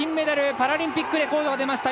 パラリンピックレコード出ました。